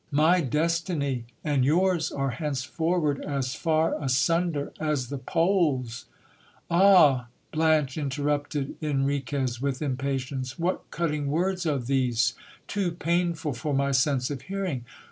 My destiny and yours are henceforward as far asunder as the poles. Ah ! Blanche, interrupted Enriquez with impatience, what cutting words are these, too painful for my sense of hearing